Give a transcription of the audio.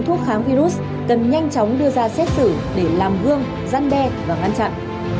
thuốc kháng virus cần nhanh chóng đưa ra xét xử để làm gương gian đe và ngăn chặn